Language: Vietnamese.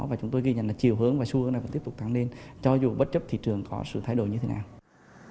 và chúng tôi ghi nhận là chiều hướng và xu hướng này vẫn tiếp tục tăng lên cho dù bất chấp thị trường có sự thay đổi như thế nào